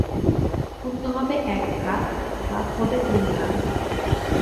পুণ্য হবে এক ভাগ এবং পাপ হবে তিন ভাগ।